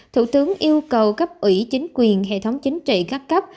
thủ tướng yêu cầu cấp ủy chính quyền hệ thống chính trị các cấp